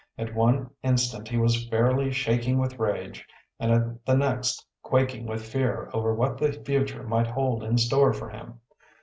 At one instant he was fairly shaking with rage, and at the next quaking with fear over what the future might hold in store for him.